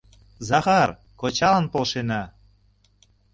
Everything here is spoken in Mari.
— Захар кочалан полшена.